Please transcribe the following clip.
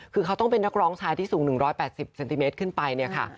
คือเขาต้องเป็นนักร้องชายที่สูง๑๘๐เซนติเมตรขึ้นไปเนี่ยค่ะ